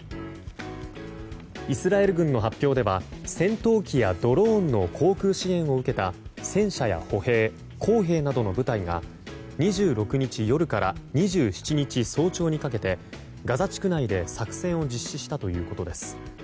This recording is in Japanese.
イスラエル軍の発表では戦闘機やドローンの航空支援を受けた戦車や歩兵工兵などの部隊が２６日夜から２７日早朝にかけてガザ地区内で作戦を実施したということです。